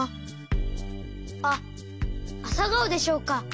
あっあさがおでしょうか。